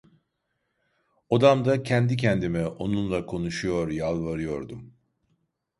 Odamda kendi kendime onunla konuşuyor, yalvarıyordum.